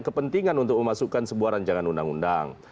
kepentingan untuk memasukkan sebuah rancangan undang undang